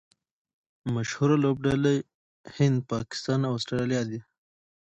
مشهوره لوبډلي هند، پاکستان او اسټرالیا دي.